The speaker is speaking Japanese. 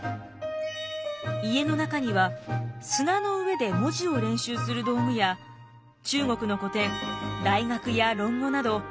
家の中には砂の上で文字を練習する道具や中国の古典「大学」や「論語」など難しい書物がたくさんありました。